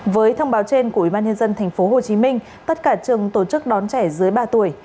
với thông báo trên của ubnd tp hcm tất cả trường tổ chức đón trẻ dưới ba tuổi